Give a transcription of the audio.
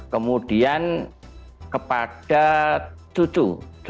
kemudian kepada cucu